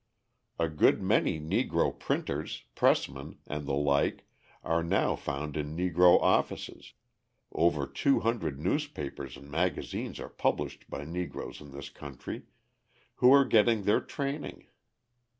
A good many Negro printers, pressmen, and the like are now found in Negro offices (over 200 newspapers and magazines are published by Negroes in this country) who are getting their training.